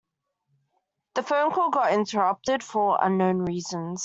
The phone call got interrupted for unknown reasons.